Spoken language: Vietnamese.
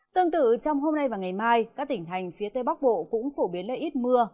tương tự trong hôm nay và ngày mai các tỉnh thành phía tây bắc bộ cũng phổ biến là ít mưa